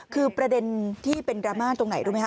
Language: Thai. คือประเด็นที่เป็นดราม่าตรงไหนรู้ไหมค